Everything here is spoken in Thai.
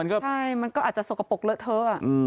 ใช่มันก็อาจจะสกปรกเลอะเทอะ